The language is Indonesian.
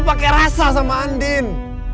lo pake rasa sama andin